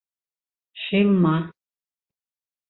Шилма.